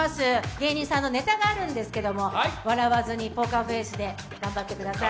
芸人さんのネタがあるんですけれども笑わずにポーカーフェースで頑張ってください。